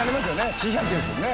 珍百景ですもんね。